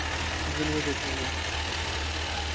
زه لوبې کوم